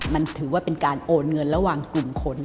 มันถือว่าเป็นการโอนเงินระหว่างกลุ่มคน